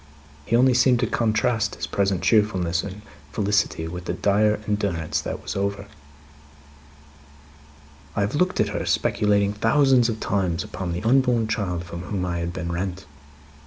He only seemed to contrast his present cheerfulness and felicity with the dire endurance that was over. "I have looked at her, speculating thousands of times upon the unborn child from whom I had been rent.